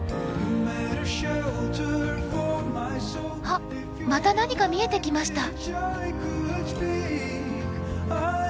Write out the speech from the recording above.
あっまた何か見えてきました。